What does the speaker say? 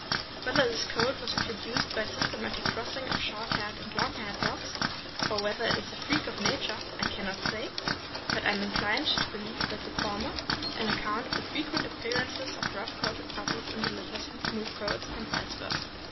Whether this coat was produced by systematic crossing of short haired and long haired dogs, or whether it is a freak of nature, I can not say; but I am inclined to believe the former, on account of the frequent appearance of rough coated puppies in litters fiom smooth coats, and vice versa.